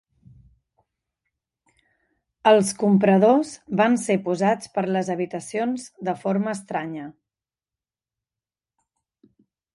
Els compradors van ser posats per les habitacions de forma estranya.